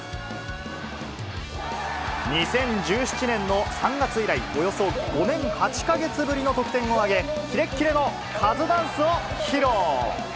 ２０１７年の３月以来、およそ５年８か月ぶりの得点を挙げ、キレッキレのカズダンスを披露。